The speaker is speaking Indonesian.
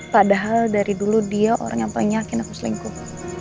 padahal dari dulu dia orang yang banyakin aku selingkuh